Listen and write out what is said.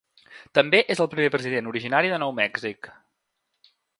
També és el primer president originari de Nou Mèxic.